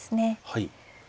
はい。